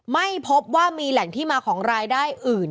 ไม่พบว่ามีแหล่งที่มาของรายได้อื่น